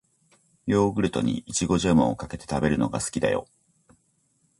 ヨーグルトに、いちごジャムをかけて食べるのが好きだよ。